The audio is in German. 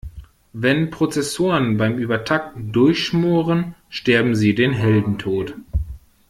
Wenn Prozessoren beim Übertakten durchschmoren, sterben sie den Heldentod.